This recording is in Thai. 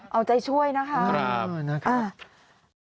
เอาใจช่วยนะคะนะครับนะครับอ่าครับ